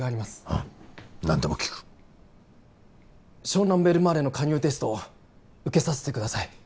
うん何でも聞く湘南ベルマーレの加入テストを受けさせてください